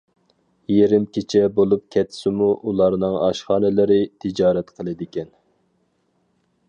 يېرىم كېچە بولۇپ كەتسىمۇ ئۇلارنىڭ ئاشخانىلىرى تىجارەت قىلىدىكەن.